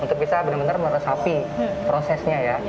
untuk bisa benar benar meresapi prosesnya ya